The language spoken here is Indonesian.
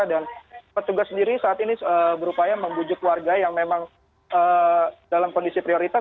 dan petugas sendiri saat ini berupaya membujuk warga yang memang dalam kondisi prioritas